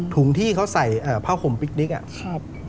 ถุงที่เขาใส่ผ้าห่มพิกนิก